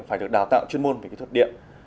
phải được đào tạo chuyên môn về kỹ thuật điện